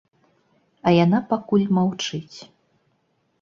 А яна пакуль маўчыць.